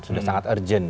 sudah sangat urgent